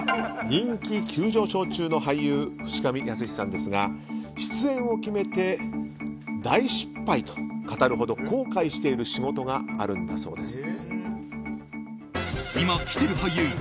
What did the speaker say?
人気急上昇中の俳優淵上泰史さんですが出演を決めて、大失敗と語るほど後悔している仕事があるんだそうです。